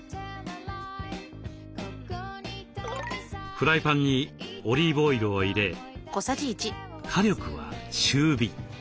フライパンにオリーブオイルを入れ火力は中火。